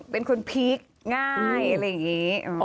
เป็นคนพีคง่ายอะไรอย่างนี้